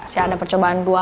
masih ada percobaan dua